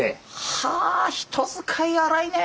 はあ人使い荒いね。